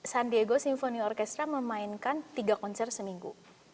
san diego symphony orchestra memainkan tiga konser seminggu